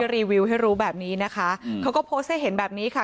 รีวิวให้รู้แบบนี้นะคะเขาก็โพสต์ให้เห็นแบบนี้ค่ะ